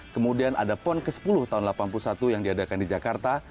kemudian ada pon ke sepuluh tahun seribu sembilan ratus delapan puluh satu yang diadakan di jakarta